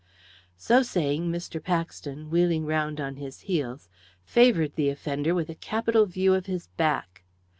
So saying, Mr. Paxton, wheeling round on his heels, favoured the offender with a capital view of his back.